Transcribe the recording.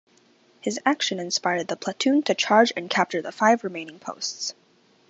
His action inspired the platoon to charge and capture the five remaining posts.